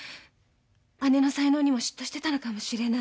姉の才能にも嫉妬してたのかもしれない。